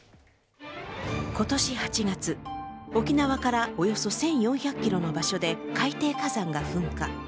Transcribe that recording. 今年８月、沖縄からおよそ１４００ｋｍの場所で海底火山が噴火。